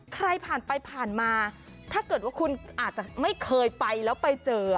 ใครผ่านไปผ่านมาถ้าเกิดว่าคุณอาจจะไม่เคยไปแล้วไปเจอ